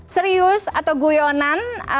serius atau guyonan